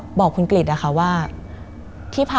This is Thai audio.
มันกลายเป็นรูปของคนที่กำลังขโมยคิ้วแล้วก็ร้องไห้อยู่